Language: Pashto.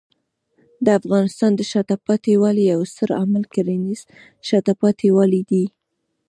د افغانستان د شاته پاتې والي یو ستر عامل کرنېز شاته پاتې والی دی.